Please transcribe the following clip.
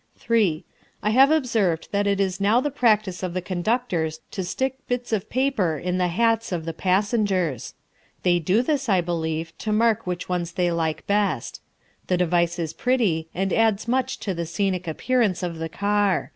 3. I have observed that it is now the practice of the conductors to stick bits of paper in the hats of the passengers. They do this, I believe, to mark which ones they like best. The device is pretty, and adds much to the scenic appearance of the car.